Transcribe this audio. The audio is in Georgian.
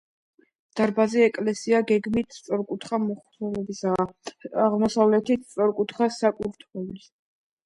დარბაზული ეკლესია გეგმით სწორკუთხა მოხაზულობისაა, აღმოსავლეთით სწორკუთხა საკურთხეველია, რომლის ცენტრში გაჭრილია ფართო სარკმელი.